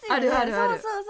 そうそうそう。